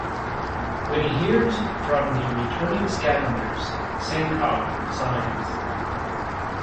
When he hears from the returning Scavengers, Sankov signs.